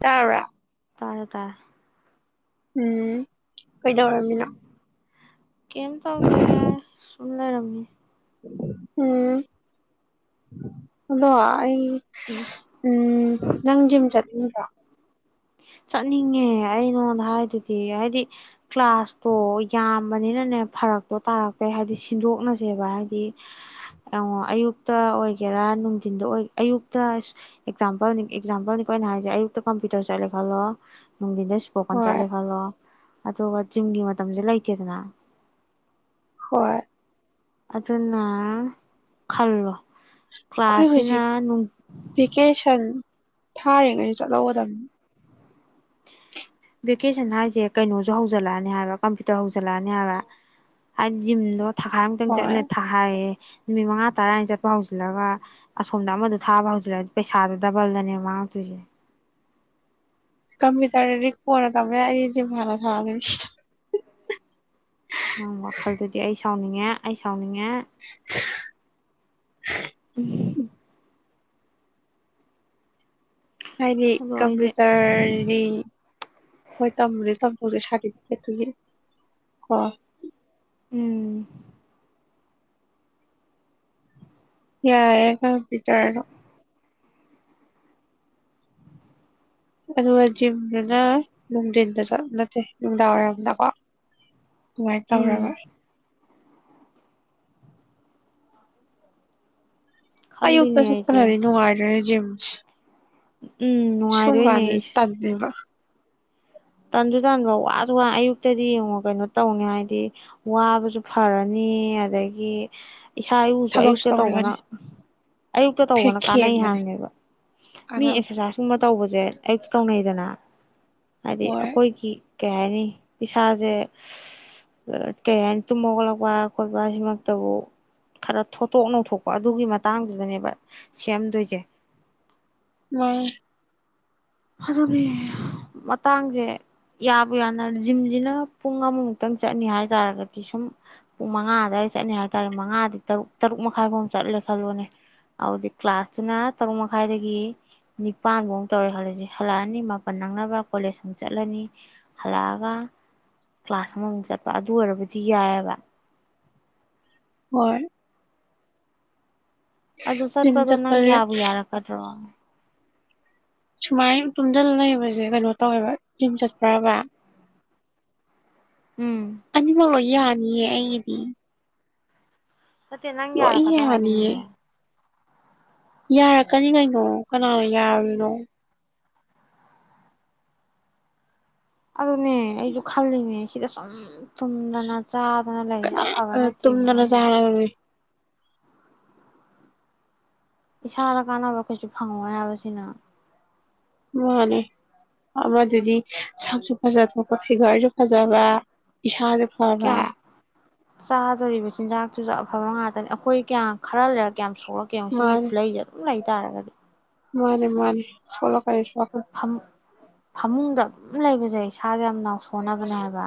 ꯇꯥꯕ꯭ꯔꯥ ꯇꯥꯔꯦ ꯇꯥꯔꯦ ꯎꯝ ꯀꯩꯗꯧꯔꯝꯃꯤꯅꯣ ꯀꯩꯝ ꯇꯧꯗꯦ ꯑꯗꯨꯝ ꯂꯩꯔꯝꯃꯤꯅꯦ ꯎꯝ ꯑꯗꯣ ꯑꯩ ꯎꯝ ꯎꯝ ꯅꯪ ꯖꯤꯝ ꯆꯠꯅꯤꯡꯗ꯭ꯔꯣ ꯆꯠꯅꯤꯡꯉꯦ ꯑꯩ ꯅꯉꯣꯟꯗ ꯍꯥꯏꯗꯨꯗꯤ ꯍꯥꯏꯗꯤ ꯀ꯭ꯂꯥꯁꯇꯣ ꯌꯥꯝꯕꯅꯤꯅꯅꯦ ꯐꯔꯛꯇꯣ ꯇꯥꯔꯛꯄꯩ ꯍꯥꯏꯕꯗꯤ ꯁꯤꯟꯗꯣꯛꯅꯁꯦꯕ ꯍꯥꯏꯗꯤ ꯑꯌꯨꯛꯇ ꯑꯣꯏꯒꯦꯔꯥ ꯅꯨꯡꯊꯤꯟꯗ ꯑꯌꯨꯛꯇ ꯑꯦꯛꯖꯥꯝꯄꯜꯅꯤ ꯑꯦꯛꯖꯥꯝꯄꯜꯅꯤꯀꯩꯅ ꯍꯥꯏꯁꯦ ꯑꯌꯨꯛꯇ ꯀꯝꯄ꯭ꯌꯨꯇꯔ ꯆꯠꯂꯦ ꯈꯂꯣ ꯅꯨꯡꯗꯤꯜꯗ ꯏꯁꯄꯣꯀꯟ ꯍꯣꯏ ꯆꯠꯂꯦ ꯈꯂꯣ ꯑꯗꯨꯒ ꯖꯤꯝꯒꯤ ꯃꯇꯝꯁꯦ ꯂꯩꯇꯦꯗꯅ ꯍꯣꯏ ꯑꯗꯨꯅ ꯈꯜꯂꯣ ꯈꯣꯢ ꯀ꯭ꯂꯥꯁꯁꯤꯅ ꯍꯧꯖꯤꯛ ꯚꯦꯀꯦꯁꯟ ꯊꯥꯔꯤꯉꯩꯗ ꯆꯠꯍꯧꯒꯗꯕꯅꯤ [inaudible] ꯚꯦꯀꯦꯁꯟ ꯍꯥꯏꯁꯦ ꯀꯩꯅꯣꯁꯨ ꯍꯧꯖꯜꯂꯛꯑꯅꯤ ꯍꯥꯏꯕ ꯀꯝꯄ꯭ꯌꯨꯇꯔ ꯍꯧꯖꯜꯂꯛꯑꯅꯤ ꯍꯥꯏꯕ ꯍꯥꯏꯗꯤ ꯖꯤꯝꯗꯣ ꯊꯥ ꯑꯃꯇꯪ ꯍꯣꯏ ꯆꯠꯂꯦ ꯊꯈꯥꯏꯌꯦ ꯅꯨꯃꯤꯠ ꯃꯉꯥ ꯇꯔꯥꯅꯤ ꯆꯠꯄ ꯍꯧꯖꯤꯜꯂꯒ ꯑꯁꯣꯝꯗ ꯑꯃꯗ ꯊꯥꯕ ꯍꯧꯖꯤꯜꯂ ꯄꯩꯁꯥꯗꯨ ꯗꯕꯜꯗꯅꯦꯕ ꯃꯥꯡꯉꯛ ꯇꯣꯏꯁꯦ ꯀꯝꯄꯨꯇ꯭ꯔ ꯗꯤ ꯀꯣꯟꯅ ꯇꯝꯕ ꯌꯥꯏ ꯑꯩꯗꯤ ꯖꯤꯡ ꯍꯥꯟꯅ ꯁꯟꯅꯅꯤ ꯅꯪ ꯋꯥꯈꯜꯗꯨꯗꯤ ꯑꯩꯁ ꯁꯥꯎꯅꯤꯡꯉꯦ ꯑꯩ ꯁꯥꯎꯅꯤꯡꯉꯦ [inaudible] ꯍꯥꯏꯗꯤ ꯑꯗꯣ ꯑꯩꯁꯦ ꯀꯝꯄ꯭ꯌꯨꯇꯔꯗꯤ ꯍꯣꯏ ꯇꯝꯕꯨꯗꯤ ꯇꯝ ꯍꯧꯖꯤꯛ ꯁꯥꯗꯤꯕꯤꯖꯦꯠ ꯇꯨꯒꯤ ꯀꯣ ꯎꯝ ꯌꯥꯔꯦ ꯅꯪ ꯄꯤꯛꯆꯔ ꯗꯣ ꯑꯗꯨꯒ ꯖꯤꯝꯗꯨꯅ ꯅꯨꯡꯊꯤꯟꯗ ꯆꯠꯂ ꯅꯠꯇꯦ ꯅꯨꯡꯗꯥꯡꯋꯥꯏꯔꯝꯗꯀꯣ ꯑꯗꯨꯃꯥꯏꯅ ꯎꯝ ꯇꯧꯔꯒ ꯈꯜꯂꯤꯅꯦ ꯑꯌꯨꯛꯇ ꯑꯩꯁꯦ ꯆꯠꯄꯕꯨꯗꯤ ꯅꯨꯡꯉꯥꯏꯗꯣꯏꯅꯦ ꯖꯤꯝ [inaudible] ꯎꯝ ꯅꯨꯡꯉꯥꯏꯗꯣꯏꯅꯦ ꯑꯩꯁꯦ ꯇꯜꯂꯦꯕ ꯇꯟꯁꯨ ꯇꯟꯥꯟꯕ ꯋꯥꯁꯨ ꯋꯥ ꯑꯌꯨꯛꯇꯗꯤ ꯌꯦꯡꯉꯣ ꯀꯩꯅꯣ ꯇꯧꯅꯤ ꯍꯥꯏꯗꯤ ꯋꯥꯕꯁꯨ ꯐꯔꯅꯤ ꯑꯗꯒꯤ ꯏꯁꯥ ꯏꯎꯁꯨ ꯊꯕꯛꯁꯨ ꯑꯌꯨꯛꯇ ꯇꯧꯕꯅ ꯇꯧꯅꯤꯡꯉꯅꯤ ꯑꯌꯨꯛꯇ ꯐꯦꯛ ꯇꯧꯕꯅ ꯀꯥꯟꯅꯩ ꯈꯦꯡꯕꯅꯦ ꯍꯥꯏꯕꯅꯦꯕ ꯃꯤ ꯀꯥꯟꯅꯕ ꯑꯦꯛꯁꯔꯁꯥꯏꯁꯀꯨꯝꯕ ꯇꯧꯕꯁꯦ ꯑꯌꯨꯛꯇ ꯇꯧꯅꯩꯗꯅ ꯍꯥꯏꯗꯤ ꯍꯣꯏ ꯑꯩꯈꯣꯏꯒꯤ ꯀꯩ ꯍꯥꯏꯅꯤ ꯏꯁꯥꯁꯦ ꯀꯩ ꯍꯥꯏꯅꯤ ꯇꯨꯝꯃ ꯈꯒꯠꯂꯛꯄ ꯈꯣꯠꯄ ꯁꯤꯃꯛꯇꯕꯨ ꯈꯔ ꯊꯣꯠꯇꯣꯛ ꯅꯧꯊꯣꯛꯄ ꯑꯗꯨꯒꯤ ꯃꯇꯥꯡꯗꯨꯗꯅꯦꯕ ꯁꯦꯝꯗꯣꯏꯁꯦ ꯍꯣꯏ ꯑꯗꯨꯅꯦ ꯃꯇꯥꯡꯁꯦ ꯌꯥꯕꯨ ꯌꯥꯅ ꯖꯤꯝꯁꯤꯅ ꯄꯨꯡ ꯑꯃꯃꯨꯛꯇꯪ ꯆꯠꯅꯤ ꯍꯥꯏ ꯇꯥꯔꯒꯗꯤ ꯁꯨꯝ ꯄꯨꯡ ꯃꯉꯥ ꯑꯗꯨꯋꯥꯏꯗ ꯆꯠꯅꯤ ꯍꯥꯏꯇꯥꯥꯔꯦ ꯃꯉꯥꯗꯤ ꯇꯔꯨꯛ ꯇꯔꯨꯛ ꯃꯈꯥꯏꯐꯧ ꯆꯠꯂꯦ ꯈꯜꯂꯣꯅꯦ ꯑꯗꯨꯗꯤ ꯀ꯭ꯂꯥꯁꯇꯨꯅ ꯇꯔꯨꯛ ꯃꯈꯥꯏꯗꯒꯤ ꯅꯤꯄꯥꯟ ꯐꯧ ꯇꯧꯔꯦ ꯈꯜꯂꯁꯦ ꯍꯜꯂꯛꯑꯅꯤ ꯃꯥꯄꯜ ꯅꯪꯅꯕ ꯀꯣꯂꯦꯖ ꯑꯃꯨꯛ ꯆꯠꯂꯅꯤ ꯍꯜꯂꯛꯑꯒ ꯀ꯭ꯂꯥꯁ ꯑꯃꯃꯨꯛ ꯆꯠꯄ ꯑꯗꯨ ꯑꯣꯏꯔꯕꯨꯗꯤ ꯌꯥꯏꯑꯕ ꯍꯣꯏ ꯑꯗꯣ ꯖꯤꯝ ꯆꯠꯄꯗꯣ ꯅꯪ ꯆꯠꯄꯁꯦ ꯌꯥꯕꯨ ꯌꯥꯔꯛꯀꯗꯔꯣ ꯁꯨꯃꯥꯏꯅ ꯇꯨꯝꯗꯜ ꯂꯩꯕꯁꯦ ꯀꯩꯅꯣ ꯇꯧꯋꯦꯕ ꯖꯤꯝ ꯆꯠꯄ꯭ꯔꯕ ꯎꯝ ꯑꯅꯤꯃꯛ ꯂꯣꯏ ꯌꯥꯅꯤꯌꯦ ꯑꯩ ꯎꯝ ꯅꯠꯇꯦ ꯅꯪ ꯌꯥꯔꯛꯀꯗ꯭ꯔ ꯌꯥꯅꯤꯌꯦ ꯍꯥꯏꯕꯅꯤꯅꯦ ꯌꯥꯔꯛꯀꯅꯤ ꯀꯩꯅꯣ ꯀꯅꯥꯅ ꯌꯥꯔꯣꯏꯗꯣꯏꯅꯣ ꯑꯗꯨ ꯅꯦ ꯑꯩꯁꯨ ꯈꯜꯂꯤꯅꯦ ꯁꯤꯗ ꯁꯨ ꯇꯨꯝꯗꯅ ꯆꯥꯗꯅ ꯂꯩꯔꯤ ꯀꯅꯥ ꯑꯐꯕꯅꯠꯇꯦ ꯇꯨꯝꯗꯅ ꯃꯤꯅꯪꯕꯣ ꯆꯥꯔꯕꯅꯤ ꯏꯁꯥꯗ ꯀꯥꯟꯅꯕ ꯀꯩꯁꯨ ꯐꯪꯉꯣꯏ ꯍꯥꯏꯕꯁꯤꯅ ꯃꯥꯅꯦ ꯑꯃꯗꯨꯗꯤ ꯁꯛꯁꯨ ꯐꯖꯊꯣꯛꯄ ꯐꯤꯒꯔꯁꯨ ꯐꯖꯕ ꯏꯁꯥꯁꯨ ꯐꯕ ꯀꯌꯥ ꯆꯥꯗꯣꯔꯤꯕ ꯆꯤꯟꯖꯥꯛꯇꯨꯁꯨ ꯑꯐꯥꯃ ꯉꯥꯛꯇꯅꯤ ꯑꯩꯈꯣꯏ ꯀꯌꯥ ꯈꯔ ꯂꯩꯔꯛ ꯀꯌꯥꯝ ꯌꯥꯝ ꯁꯣꯛꯂꯛꯀꯦ ꯌꯦꯡꯑꯣ ꯁꯤꯒꯤ ꯈꯨꯠꯂꯩꯁꯦ ꯑꯗꯨꯝ ꯂꯩ ꯇꯔꯒꯗꯤ ꯃꯅꯦ ꯃꯅꯦ ꯁꯣ [unintelligible] ꯐꯃꯨꯡꯗ ꯑꯗꯨꯝ ꯂꯩꯕꯁꯦ ꯏꯁꯥꯁꯦ ꯌꯥꯝ ꯅꯥꯎ ꯁꯣꯟꯅꯕꯅꯦ ꯍꯥꯏꯕ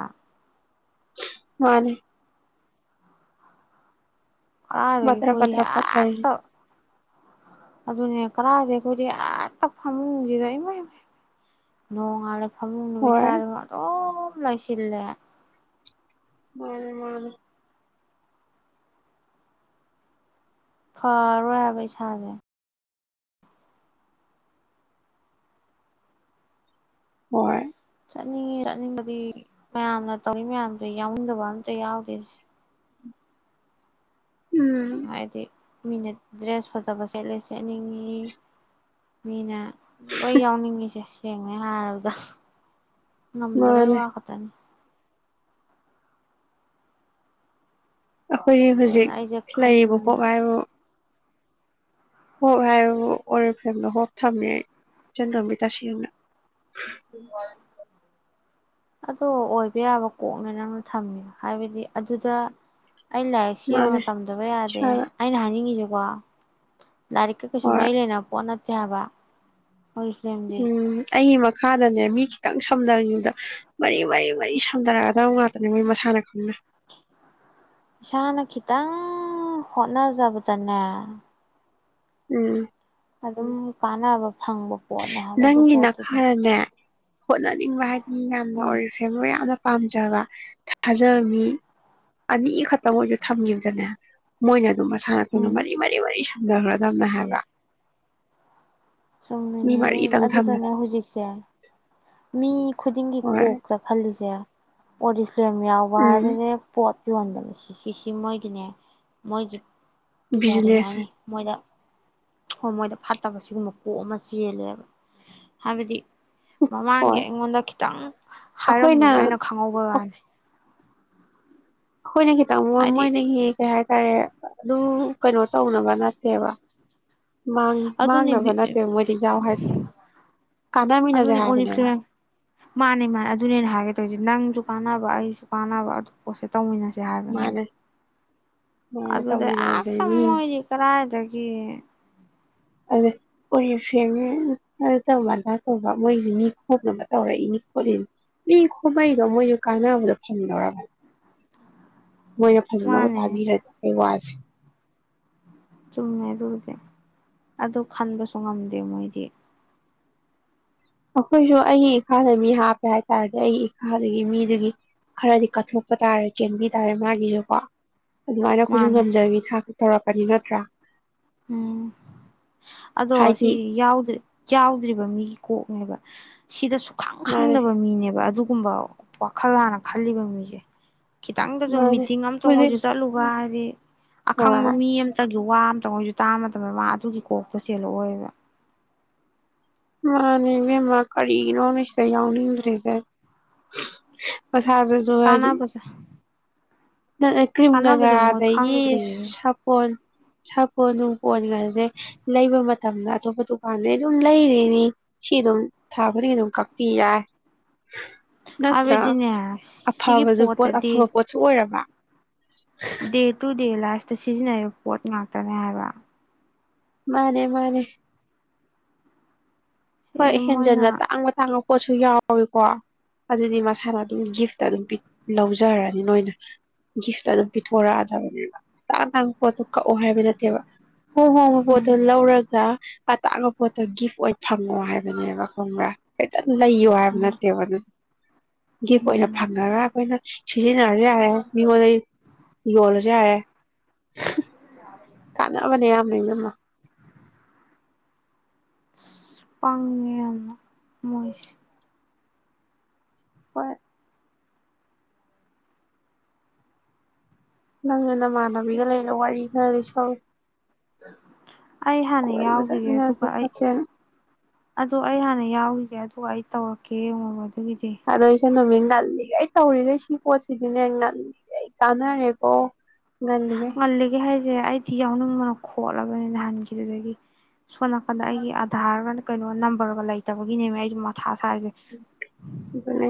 ꯃꯥꯅꯦ ꯀꯗꯥꯏꯒꯤ ꯕꯇ꯭ꯔ ꯈꯣꯏꯗꯤ ꯕꯇ꯭ꯔ ꯄꯠ ꯂꯩ ꯍꯦꯠꯇ ꯑꯗꯨꯅꯦ ꯀꯗꯥꯏꯗꯩ ꯑꯩꯈꯣꯏꯗꯤ ꯍꯦꯛꯇ ꯐꯝꯃꯨꯁꯤꯗ ꯏꯃꯃꯩ ꯅꯣꯡꯉꯥꯜꯂꯦ ꯐꯃꯨꯡ ꯅꯨꯃꯤꯠ ꯍꯣꯏ ꯇꯥꯔꯕ ꯑꯗꯨꯝ ꯂꯥꯏꯁꯤꯜꯂꯦ ꯃꯅꯦꯃꯅꯦ ꯐꯔꯔꯣꯏ ꯍꯥꯕ꯭ꯔꯣ ꯏꯁꯥꯁꯦ ꯍꯣꯏ ꯆꯠꯅꯤꯡꯉꯦ ꯆꯠꯅꯤꯡꯕꯗꯤ ꯃꯌꯥꯝꯅ ꯇꯧꯔꯤ ꯃꯌꯥꯝꯗ ꯌꯥꯎꯅꯤꯡꯗꯕ ꯑꯝꯇ ꯌꯥꯎꯗꯦ ꯁꯦ ꯎꯝ ꯍꯥꯏꯕꯗꯤ ꯃꯤꯅ ꯗ꯭ꯔꯦꯁ ꯐꯖꯕ ꯁꯦꯠꯂꯦ ꯁꯦꯠꯅꯤꯡꯉꯤ ꯃꯤꯅ ꯂꯣꯏ ꯌꯥꯎꯅꯤꯡꯉꯤꯁꯦ ꯌꯦꯡꯅꯦ ꯍꯥꯏꯔꯕꯗ ꯉꯝꯗꯕꯩ ꯃꯥꯅꯦ ꯋꯥꯈꯛꯇꯅꯤ ꯑꯩꯈꯣꯏꯒꯤ ꯍꯧꯖꯤꯛ ꯑꯗꯨꯅ ꯑꯩꯁꯦ ꯂꯩꯔꯤꯕ ꯈꯟꯕꯅꯤ ꯍꯣꯞ ꯍꯥꯏꯕꯨ ꯍꯣꯞ ꯍꯥꯏꯕꯕꯨ ꯑꯣꯔꯤꯐꯦꯝꯗ ꯍꯣꯞ ꯊꯝꯃꯦ ꯑꯩ ꯏꯆꯟꯇꯣꯝꯕꯤ ꯇꯁꯦꯡꯅ ꯑꯗꯣ ꯑꯣꯏꯕ ꯌꯥꯕ ꯀꯣꯛꯅꯦ ꯅꯪꯅ ꯊꯝꯃꯦ ꯍꯥꯏꯕꯗꯤ ꯑꯗꯨꯗ ꯑꯩ ꯂꯥꯏꯔꯤꯛ ꯁꯤ ꯌꯧꯅ ꯃꯥꯅꯦ ꯇꯝꯗꯕ ꯌꯥꯗꯦ ꯏꯁꯥꯗ ꯑꯩꯅ ꯍꯥꯏꯅꯤꯡꯉꯤꯁꯤ ꯋꯥ ꯂꯥꯏꯔꯤꯛꯀ ꯀꯩꯁꯨ ꯍꯣꯏ ꯃꯔꯤ ꯂꯩꯅꯕ ꯄꯣꯠ ꯅꯠ ꯌꯥꯕ ꯑꯣꯔꯤꯐ꯭ꯔꯦꯝꯗꯤ ꯎꯝ ꯑꯩꯒꯤ ꯃꯈꯥꯗꯅꯦ ꯃꯤ ꯈꯤꯇꯪ ꯁꯝꯗꯈꯤꯕꯗ ꯃꯔꯤ ꯃꯔꯤ ꯃꯔꯤ ꯁꯝꯊꯔꯛꯑꯒꯗꯧꯕ ꯉꯥꯛꯇꯅꯦ ꯃꯣꯏ ꯃꯁꯥꯅ ꯈꯪꯅꯥ ꯏꯁꯥꯅ ꯈꯤꯇꯪ ꯍꯣꯠꯅꯖꯕꯗꯅꯦ ꯎꯝ ꯑꯗꯨꯝ ꯀꯥꯟꯅꯕ ꯐꯪꯕ ꯄꯣꯠꯅꯦ ꯍꯥꯏꯕ ꯑꯗꯨ ꯅꯪꯒꯤ ꯄꯣꯠꯇꯨꯗꯩ ꯅꯈꯥꯗꯅꯦ ꯍꯣꯠꯅꯅꯤꯡꯕ ꯍꯥꯢ ꯃꯤ ꯌꯥꯝ ꯑꯣꯔꯤꯐꯦꯝ ꯃꯋꯥꯝ ꯄꯥꯝꯖꯕ ꯊꯥꯖꯕ ꯃꯤ ꯑꯅꯤꯈꯛꯇꯪ ꯑꯣꯏꯁꯨ ꯊꯝꯒꯤꯕꯗꯅꯦ ꯃꯣꯏꯅ ꯃꯁꯥꯅ ꯈꯪꯅ ꯎꯝ ꯃꯔꯤ ꯃꯔꯤ ꯃꯔꯤ ꯖꯒꯔ ꯗꯝꯝꯦ ꯍꯥꯏꯕ ꯁꯨꯝ ꯃꯤ ꯂꯩꯅꯦ ꯃꯔꯤꯗꯪ ꯑꯗꯨꯗꯅꯦ ꯊꯝꯕꯗ ꯍꯧꯖꯤꯛꯁꯦ ꯃꯤ ꯈꯨꯗꯤꯡꯒꯤ ꯍꯣꯏ ꯀꯣꯛꯇ ꯈꯜꯂꯤꯁꯦ ꯑꯣꯔꯤ ꯐ꯭ꯂꯦꯝ ꯌꯥꯎꯕ ꯎꯝ ꯍꯥꯏꯕꯁꯦ ꯄꯣꯠ ꯌꯣꯟꯕ ꯁꯤ ꯁꯤꯁꯤ ꯃꯣꯏꯒꯤꯅꯦ ꯃꯣꯏꯒꯤ ꯀꯔꯤ ꯕꯤꯖꯤꯅꯦꯁꯁꯦ ꯍꯥꯏꯅꯤ ꯃꯣꯏꯗ ꯍꯣꯏ ꯃꯣꯏꯗ ꯐꯠꯇꯕ ꯁꯤꯒꯨꯝꯕ ꯀꯣꯛ ꯑꯃ ꯆꯦꯜꯂꯦꯕ ꯍꯥꯏꯕꯗꯤ ꯃꯃꯥꯡꯒꯤ ꯍꯣꯏ ꯑꯩꯉꯣꯟꯗ ꯈꯤꯇꯪ ꯑꯩꯈꯣꯏꯅ ꯍꯥꯏꯔꯝꯕꯗꯣ ꯑꯩꯅ ꯈꯪꯍꯧꯕꯩ ꯋꯥꯅꯤ ꯑꯩꯈꯣꯏꯅ ꯈꯤꯇꯪ ꯃꯣ ꯍꯥꯏꯗꯤ ꯃꯣꯏꯅꯒꯤ ꯀꯩ ꯍꯥꯏꯇꯥꯔꯦ ꯑꯗꯨ ꯀꯩꯅꯣ ꯇꯧꯅꯕ ꯅꯠꯇꯦꯕ ꯑꯗꯨꯅꯦ ꯃꯥꯡꯅꯕ ꯅꯠꯇꯦꯕ ꯃꯣꯏꯗꯤ ꯌꯥꯎ ꯍꯥꯏꯗꯣ ꯀꯥꯟꯅꯃꯤꯟꯅꯁꯦ ꯑꯗꯨꯅꯦ ꯍꯥꯏꯕꯅꯦꯕ ꯑꯣꯔꯤꯐ꯭ꯂꯦꯝ ꯑꯗꯨꯗꯤ ꯅꯪꯁꯨ ꯀꯥꯟꯅꯕ ꯑꯩꯁꯨ ꯀꯥꯟꯅꯕ ꯑꯗꯨ ꯄꯣꯠꯁꯦ ꯇꯧꯃꯤꯟꯅꯁꯦ ꯍꯥꯏꯕꯅꯦꯕ ꯃꯥꯅꯦ ꯃꯥꯅꯦ ꯑꯗꯨꯗ ꯇꯧꯃꯤꯟꯅꯁꯦ ꯑꯦꯛꯇ ꯃꯤ ꯃꯣꯏꯗꯤ ꯀꯔꯥꯏꯗꯒꯤ ꯌꯦ ꯑꯣꯔꯤꯐ꯭ꯂꯦꯝꯁꯦ ꯑꯗꯨ ꯇꯧꯕ ꯑꯗꯥ ꯇꯧꯕ ꯃꯣꯏꯁꯦ ꯃꯤ ꯈꯣꯝꯅꯕ ꯇꯧꯔꯛꯏꯅꯤ ꯈꯣꯠꯂꯤꯅꯤ ꯃꯤ ꯈꯣꯃꯛꯏꯗꯣ ꯃꯣꯏꯁꯨ ꯀꯥꯟꯅꯕꯗꯣ ꯐꯪꯅꯕꯅꯤ ꯃꯣꯏꯅ ꯐꯖꯅꯕꯨ ꯃꯥꯅꯦ ꯇꯥꯕꯤꯔꯗꯤ ꯑꯩ ꯋꯥꯁꯦ ꯆꯨꯝꯃꯦ ꯑꯗꯨꯁꯨ ꯑꯗꯨ ꯈꯟꯕꯁꯨ ꯉꯝꯗꯦ ꯃꯣꯏꯗꯤ ꯑꯩꯈꯣꯏꯁꯨ ꯑꯩꯒꯤ ꯏꯈꯥꯗ ꯃꯤ ꯍꯥꯞꯄꯦ ꯍꯥꯏꯇꯥꯔꯗꯤ ꯑꯩꯒꯤ ꯏꯈꯥꯗꯒꯤ ꯃꯤꯗꯨꯒꯤ ꯈꯔꯗꯤ ꯀꯠꯊꯣꯛꯄ ꯇꯥꯔꯦ ꯆꯦꯟꯕꯤ ꯇꯥꯔꯦ ꯃꯥꯒꯤꯁꯨꯀꯣ ꯑꯗꯨꯃꯥꯏꯅ ꯑꯩꯈꯣꯏꯁꯨ ꯃꯥꯅꯦ ꯉꯝꯖꯕꯤ ꯊꯥꯛ ꯇꯧꯔꯛꯄꯅꯤ ꯅꯠꯇ꯭ꯔꯥ ꯎꯝ ꯑꯗꯣ ꯍꯥꯏꯗꯤ ꯁꯤ ꯌꯥꯗ ꯌꯥꯎꯗ꯭ꯔꯤꯕ ꯃꯤꯒꯤ ꯀꯣꯛꯅꯦꯕ ꯁꯤꯗꯁꯨ ꯄꯥꯛ ꯃꯥꯅꯦ ꯈꯪꯗꯕ ꯃꯤꯅꯦꯕ ꯑꯗꯨ ꯒꯨꯝꯕ ꯋꯥꯈꯜ ꯍꯥꯟꯅ ꯈꯜꯂꯤꯕ ꯃꯤꯁꯦ ꯈꯤꯇꯪꯗꯁꯨ ꯃꯥꯅꯦ ꯃꯤꯇꯤꯡ ꯑꯝꯇꯪ ꯍꯧꯖꯤꯛ ꯑꯣꯏꯁꯨ ꯆꯠꯂꯨꯕ ꯍꯥꯏ [inaudible] ꯑꯈꯪꯕ ꯍꯣꯏ ꯃꯤ ꯑꯃꯇ ꯋꯥ ꯑꯝꯇꯪ ꯑꯣꯢꯁꯨ ꯇꯥꯕ ꯃꯇꯝꯗ ꯃꯥ ꯑꯗꯨꯒꯤ ꯀꯣꯛꯇꯣ ꯆꯦꯜꯂꯛ ꯑꯣꯏꯕ ꯃꯥꯅꯦ ꯏꯕꯦꯝꯃꯥ ꯀꯔꯤꯅꯣꯃꯤ ꯁꯤꯗ ꯌꯥꯎꯅꯤꯡꯗ꯭ꯔꯤꯁꯦ ꯄꯩꯁꯥꯗꯁꯨ ꯍꯥꯏꯗꯤ ꯀꯥꯟꯅꯕꯁꯦ ꯅꯅ ꯀ꯭ꯔꯤꯝꯒꯪꯒꯥ ꯀꯥꯟꯅꯕꯁꯦ ꯃꯣꯏ ꯑꯗꯒꯤ ꯈꯪꯗ꯭ꯔꯤꯌꯦ ꯁꯥꯄꯣꯟ ꯁꯥꯄꯣꯟꯅꯨꯡ ꯄꯣꯟꯉꯁꯦ ꯂꯩꯕ ꯃꯇꯝꯗ ꯑꯇꯣꯞꯄ ꯗꯨꯀꯥꯟꯗꯩ ꯑꯗꯨꯝ ꯂꯩꯔꯤꯅꯤ ꯁꯤ ꯑꯗꯨꯝ ꯊꯥ ꯈꯨꯗꯤꯡꯒꯤ ꯑꯗꯨꯝ ꯀꯛꯄꯤ ꯌꯥꯏ ꯅꯠꯇ꯭ꯔꯥ ꯍꯥꯏꯕꯗꯤꯅꯦ ꯁꯤꯒꯤ ꯑꯐꯕꯁꯨ ꯄꯣꯠ ꯄꯣꯠꯇꯗꯤ ꯑꯐꯕ ꯄꯣꯠꯁꯨ ꯑꯣꯏꯔꯕ ꯗꯦ ꯇꯨ ꯗꯦ ꯂ ꯑ ꯁꯤꯖꯤꯟꯅꯔꯤꯕ ꯄꯣꯠ ꯉꯥꯛꯇꯅꯦ ꯍꯥꯏꯕ ꯃꯥꯅꯦ ꯃꯥꯅꯦ ꯁꯤ ꯍꯣꯏ ꯑꯗꯨꯝ ꯃꯣꯏꯅ ꯍꯦꯟꯖꯟꯅ ꯇꯥꯡꯉ ꯇꯥꯡꯉ ꯄꯣꯠꯁꯨ ꯌꯥꯎꯏꯀꯣ ꯑꯗꯨꯗꯤ ꯃꯁꯥꯅ ꯑꯗꯨꯝ ꯒꯤꯐꯇ ꯑꯗꯨꯝ ꯄꯤ ꯂꯧꯖꯔꯅꯤ ꯅꯣꯏꯅ ꯒꯤꯐꯇ ꯑꯗꯨꯝ ꯄꯤꯊꯣꯔꯛꯑꯗꯕꯅꯤꯅꯇꯪ ꯇꯪꯕ ꯄꯣꯠꯇꯣ ꯀꯛꯑꯣ ꯍꯥꯏꯕ ꯅꯠꯇꯦꯕ ꯍꯣꯏ ꯍꯣ ꯍꯣꯏ ꯄꯣꯠꯇꯣ ꯎꯝ ꯂꯧꯔꯒ ꯂꯧꯔꯒ ꯑꯇꯥꯡꯖ ꯄꯣꯠꯇ ꯒꯤꯐ ꯑꯣꯏ ꯐꯪꯉꯣ ꯍꯥꯏꯕꯅꯦꯕ ꯈꯪꯕ꯭ꯔꯥ ꯍꯥꯏꯇ ꯂꯩꯌꯣ ꯍꯥꯏꯕ ꯎꯝ ꯅꯠꯇꯦꯕ [unintelligible] ꯒꯤꯐ ꯑꯣꯏꯅ ꯐꯪꯉꯒ ꯑꯩꯈꯣꯏꯅ ꯁꯤꯖꯤꯟꯅ ꯌꯥꯔꯦ ꯃꯤꯉꯣꯟꯗꯩ ꯌꯣꯜꯂꯁꯨ ꯌꯥꯔꯦ ꯀꯥꯟꯅꯕꯅꯦ ꯌꯥꯝꯅ ꯏꯕꯦꯝꯃ ꯄꯥꯡꯉ ꯌꯥꯝꯅ ꯃꯣꯏꯁ ꯍꯣꯏ ꯅꯪꯅ ꯃꯥꯅꯕꯤꯒ ꯂꯩ ꯑꯩ ꯍꯥꯟꯅ ꯀꯣꯏꯕ ꯌꯥꯎꯈꯤꯒꯦ ꯆꯠꯃꯤꯟꯅꯁꯦ ꯑꯗꯨꯒ ꯑꯩ ꯈꯣꯠꯁꯦꯅ ꯑꯗꯨ ꯑꯩ ꯍꯥꯟꯅ ꯌꯥꯎꯈꯤꯒꯦ ꯑꯗꯨꯒ ꯑꯩ ꯇꯧꯔꯛꯀꯦ ꯌꯦꯡꯉꯣ ꯑꯗꯁ ꯏꯆꯟꯇꯣꯝꯕꯤ ꯉꯜꯂꯤꯉꯩ ꯇꯧꯔꯤꯈꯩ ꯁꯤ ꯄꯣꯠꯁꯤꯗꯤꯅꯦ ꯉꯜꯂꯤꯉꯩ ꯀꯥꯟꯅꯔꯦꯀꯣ ꯉꯜꯂꯤꯉꯩ ꯉꯜꯂꯤꯒꯩ ꯍꯥꯏ ꯏꯁꯦ ꯑꯩꯗꯤ ꯌꯥꯎꯅꯤꯡꯕꯅ ꯈꯣꯠꯂꯕꯅꯤ ꯅꯍꯥꯟꯒꯤꯗꯨꯗꯒꯤ ꯁꯣꯝ ꯅꯥꯀꯟꯗ ꯑꯩꯒꯤ ꯑꯙꯥꯔꯒ ꯀꯩꯅꯣ ꯅꯝꯕꯔꯒ ꯂꯩꯇꯕꯒꯤꯅꯦꯕ ꯑꯩꯁ ꯃꯊꯥ ꯆꯥꯏꯁꯦ ꯑꯗꯨꯅꯦ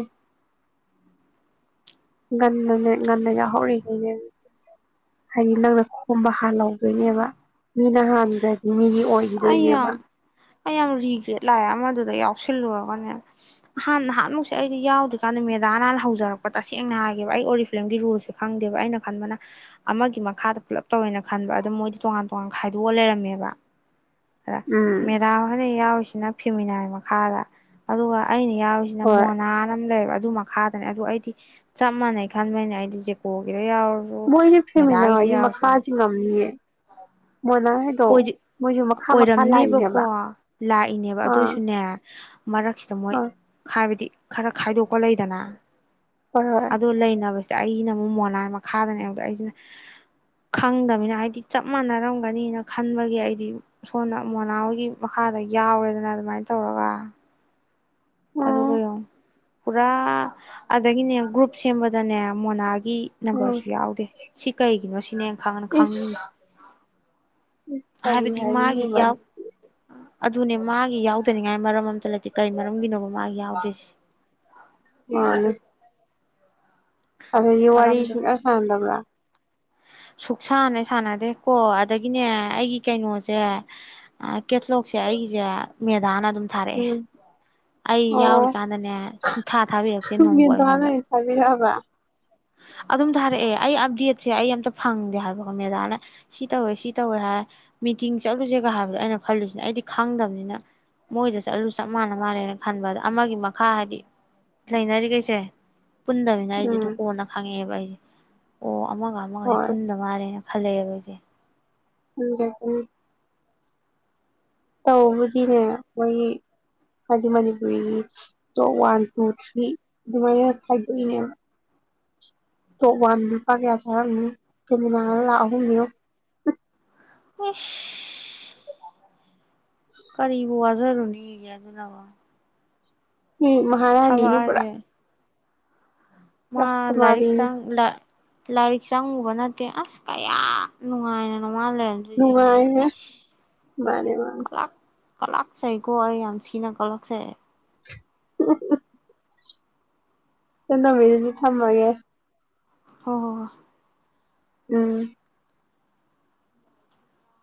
ꯉꯟꯅꯅꯦ ꯉꯟꯅ ꯌꯥꯎꯍꯧꯔꯤꯈꯩꯅꯦ ꯍꯌꯦꯗꯤ ꯅꯪꯅ ꯈꯣꯝꯕ ꯍꯜꯍꯧꯗꯣꯏꯅꯦꯕ ꯃꯤꯅ ꯍꯥꯟꯗ꯭ꯔꯗꯤ ꯃꯤꯒꯤ ꯑꯁ ꯑꯩ ꯑꯣꯏꯈꯤꯗꯣꯏꯑꯕ ꯌꯥꯝ ꯑꯩ ꯌꯥꯝ ꯔꯤꯒ꯭ꯔꯦꯠ ꯂꯥꯛꯑꯦ ꯑꯃꯗꯨꯗ ꯌꯥꯎꯁꯤꯜꯂꯨꯔꯒꯅꯦ ꯅꯍꯥꯟ ꯅꯍꯥꯟꯃꯨꯛꯁꯦ ꯑꯩꯗꯤ ꯌꯥꯎꯗ꯭ꯔꯤꯀꯥꯟꯗ ꯃꯦꯗꯥꯅꯥꯟ ꯍꯧꯖꯔꯛꯄ ꯇꯁꯦꯡꯅ ꯍꯥꯏꯒꯦꯕ ꯑꯩ ꯑꯣꯔꯤ ꯐꯤꯂꯝꯒꯤ ꯔꯨꯜꯁꯦ ꯈꯪꯗꯦꯕ ꯑꯩꯅ ꯈꯟꯕꯅ ꯑꯃꯒꯤ ꯃꯈꯥꯗ ꯄꯨꯂꯞ ꯇꯧꯋꯦꯅ ꯈꯟꯕ ꯑꯗꯨꯣ ꯃꯣꯏꯗꯤ ꯇꯣꯉꯥꯟ ꯇꯣꯉꯥꯟ ꯈꯥꯏꯗꯣꯛꯑ ꯂꯩꯔꯝꯃꯦꯕ ꯎꯝ ꯃꯦꯗꯥ ꯍꯣꯏꯅ ꯌꯎꯔꯤꯁ ꯁꯤꯅ ꯐꯤꯃꯤꯅꯥꯏ ꯃꯈꯥꯗ ꯑꯗꯨꯒ ꯑꯩꯅꯤ ꯍꯧꯁꯤ ꯅ ꯍꯣꯏ ꯃꯣꯅꯥꯅ ꯑꯃ ꯂꯩꯕ ꯑꯗꯨ ꯃꯈꯥꯗꯅꯦ ꯑꯗꯨ ꯑꯩꯗꯤ ꯆꯞ ꯃꯥꯟꯅꯩ ꯈꯟꯕꯩꯅꯦ ꯑꯩꯗꯤ ꯖꯦꯀꯣꯒꯤ ꯃꯣꯏꯅ ꯐꯤꯃꯤꯅꯥ ꯍꯣꯏꯒꯤ ꯃꯈꯥ ꯆꯤꯡ ꯉꯝꯅꯤꯌꯦ ꯃꯣꯅꯥ ꯍꯣꯏꯗꯣ ꯗꯤ ꯃꯣꯏꯁꯨ ꯃꯈꯥ ꯃꯈꯥ ꯑꯣꯏꯔꯝꯅꯦꯕꯀꯣ ꯂꯥꯛꯏꯅꯦꯕ ꯂꯥꯛꯏꯅꯦꯕ ꯑꯥ ꯑꯗꯨꯑꯣꯏꯁꯨꯅꯦ ꯃꯔꯛꯁꯤꯗ ꯃꯣꯏ ꯑꯥ ꯍꯥꯏꯕꯗꯤ ꯈꯔ ꯈꯥꯏꯗꯣꯛꯄ ꯂꯩꯗꯅ ꯍꯣꯏ ꯍꯣꯏ ꯑꯗꯨ ꯂꯩꯅꯕꯁꯦ ꯑꯩꯅ ꯑꯃꯨꯛ ꯃꯣꯅꯥ ꯃꯈꯥꯗꯅꯦꯕ ꯑꯩꯖꯤꯅ ꯈꯪꯗꯝꯅꯤꯅ ꯍꯥꯏꯗꯤ ꯆꯞ ꯃꯥꯟꯅꯔꯝꯒꯅꯤꯅ ꯈꯟꯕꯒꯤ ꯑꯩꯗꯤ ꯁꯣꯝꯅ ꯃꯣꯅꯥ ꯍꯣꯏꯒꯤ ꯃꯈꯥꯗ ꯌꯥꯎꯔꯦꯗꯅ ꯑꯗꯨꯃꯥꯏꯅ ꯇꯧꯔꯒ ꯑꯗꯨꯒ ꯎꯝ ꯌꯦꯡꯎ ꯄꯨꯔꯥ ꯑꯗꯒꯤꯅꯦ ꯒ꯭ꯔꯨꯞ ꯁꯦꯝꯕꯗꯅꯦ ꯃꯣꯅꯥ ꯒꯤ ꯎꯝ ꯅꯝꯕꯔꯁꯨ ꯌꯥꯎꯗꯦ ꯁꯤ ꯀꯔꯤꯒꯤꯅꯣ ꯁꯤꯅꯦ ꯈꯪ ꯏꯁ ꯈꯪꯅꯤꯡꯉꯤꯖꯦ ꯀꯔꯤ ꯍꯥꯏꯕꯗꯤ ꯃꯥꯒꯤ ꯍꯥꯏꯅꯤꯡꯉꯤꯕ ꯌꯥꯎ ꯑꯗꯨꯅꯦ ꯃꯥꯒꯤ ꯌꯥꯎꯗꯅꯤꯉꯥꯏ ꯃꯔꯝ ꯑꯃꯝꯇ ꯂꯩꯇꯦ ꯀꯩ ꯃꯔꯝꯒꯤꯅꯣ ꯃꯥ ꯍꯥꯎꯗꯤꯁ ꯑꯗꯨꯗꯒꯤ ꯋꯥꯔꯤ ꯁꯨꯛꯁꯥꯟ ꯁꯥꯟꯗꯕ꯭ꯔꯥ ꯁꯨꯛꯁꯥꯟ ꯍꯦꯛ ꯁꯥꯟꯅꯗꯦꯀꯣ ꯑꯗꯒꯤꯅꯦ ꯑꯩꯒꯤ ꯀꯩꯅꯣꯖꯦ ꯀꯦꯠꯂꯣꯛꯁꯦ ꯑꯩꯒꯤꯖꯦ ꯃꯦꯗꯥꯅ ꯑꯗꯨꯝ ꯊꯥꯔꯛꯑꯦ ꯎꯝ ꯑꯩ ꯑꯣ ꯌꯥꯎꯔꯤꯀꯥꯟꯗꯅꯦ ꯁꯨꯡꯊꯥ ꯊꯥꯕꯤꯔꯛꯇꯦ ꯅꯣꯡꯕꯨ ꯑꯩꯉꯣꯟꯗ ꯌꯥꯕ ꯑꯗꯨꯝ ꯊꯥꯔꯛꯑꯦ ꯑꯩ ꯑꯞꯗꯦꯠꯁꯦ ꯑꯩ ꯑꯝꯇ ꯐꯪꯗꯦ ꯍꯥꯏꯕꯀꯣ ꯃꯦꯗꯥꯅ ꯁꯤ ꯇꯧꯋꯦ ꯁꯤ ꯇꯧꯋꯦ ꯍꯥꯏ ꯃꯤꯇꯤꯡ ꯆꯠꯂꯨꯁꯦꯒ ꯍꯥꯏꯕꯗꯣ ꯑꯩꯅ ꯈꯜꯂꯤꯁꯤ ꯑꯩꯗꯤ ꯈꯪꯗꯕꯅꯤꯅ ꯃꯣꯏꯗ ꯆꯠꯂꯨ ꯆꯞ ꯃꯥꯟꯅ ꯃꯥꯜꯂꯦꯅ ꯈꯟꯕ ꯑꯗ ꯑꯃꯒꯤ ꯃꯈꯥ ꯍꯥꯏꯕꯗꯤ ꯂꯩꯅꯔꯤꯒꯩꯖꯦ ꯄꯨꯟꯗꯕꯤꯅ ꯑꯩꯖꯦ ꯎꯝ ꯗꯨꯝ ꯍꯪꯉꯦꯕ ꯑꯩꯖꯦ ꯑꯣ ꯑꯣ ꯑꯃꯒ ꯑꯃꯒꯁꯤ ꯍꯣꯏ ꯄꯨꯟꯗ ꯃꯥꯜꯂꯦꯅ ꯍꯜꯂꯛꯑꯦꯕ ꯑꯩꯁꯦ [unintelligible] ꯇꯕꯨꯗꯤꯅꯦ ꯃꯣꯏꯒꯤ ꯍꯥꯏꯗꯤ ꯃꯅꯤꯄꯨꯔꯤꯒꯤ ꯇꯣꯞ ꯋꯥꯟ ꯇꯨ ꯊ꯭ꯔꯤ ꯑꯗꯨꯃꯥꯏꯅ ꯈꯥꯏꯗꯣꯛꯏꯅꯦꯕ ꯇꯣꯞ ꯋꯥꯟ ꯂꯨꯄꯥ ꯀꯌꯥ ꯆꯥꯔꯝꯅꯤ ꯄꯔꯦꯃꯤꯟꯅ ꯂꯥꯛ ꯑꯍꯨꯝꯅꯦ ꯌꯦꯡꯉꯣ ꯍꯨꯏꯁꯁ ꯀꯔꯤꯕꯨꯋꯥꯖꯔꯨꯅꯤꯒꯦ ꯑꯗꯨꯅꯃꯨꯛ ꯎꯝ ꯃꯍꯥꯔꯥꯅꯤꯅꯤ ꯄꯨꯔꯥ ꯃꯥ ꯂꯔꯤꯛ ꯔꯥꯁꯀꯨꯃꯥꯔꯤꯅꯤ ꯆꯪ ꯂ ꯂꯥꯏꯔꯤꯛ ꯆꯪꯉꯨꯕ ꯅꯠꯇꯦ ꯑꯁ ꯀꯌꯥ ꯅꯨꯡꯉꯥꯏꯅ ꯅꯨꯡꯉꯥꯏꯍꯦ ꯃꯥꯅꯦ ꯃꯥꯅꯦ ꯀꯂꯥꯛꯆꯩꯀꯣ ꯑꯩ ꯌꯥꯝ ꯊꯤꯅ ꯀꯂꯛꯆꯩ [unintelligible] ꯆꯟꯇꯣꯝꯕꯤ ꯗꯨꯗꯤ ꯊꯝꯃꯒꯦ ꯍꯣ ꯍꯣ ꯍꯣ ꯎꯝ